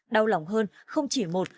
đau lòng hơn không chỉ một